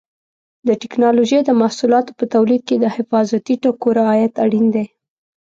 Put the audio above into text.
د ټېکنالوجۍ د محصولاتو په تولید کې د حفاظتي ټکو رعایت اړین دی.